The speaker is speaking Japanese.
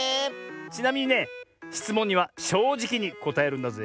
ちなみにねしつもんにはしょうじきにこたえるんだぜえ。